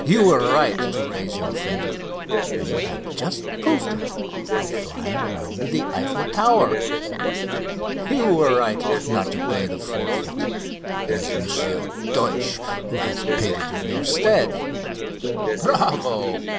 You were right to raise your finger, and you have just proved it by flying round the Eiffel Tower. "You were right not to pay the forfeit; it is M. Deutsch who has paid it in your stead. Bravo!